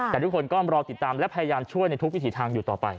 แต่ทุกคนก็รอติดตามและพยายามช่วยในทุกวิถีทางอยู่ต่อไป